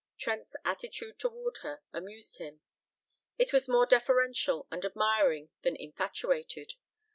Trent's attitude toward her amused him. It was more deferential and admiring than infatuated.